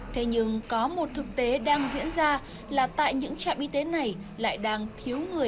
thế nhưng có một thực tế đang diễn ra là tại những trạm y tế này lại đang thiếu người